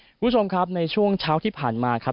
คุณผู้ชมครับในช่วงเช้าที่ผ่านมาครับ